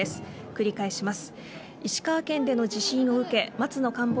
繰り返します。